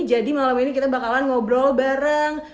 jadi malam ini kita bakalan ngobrol bareng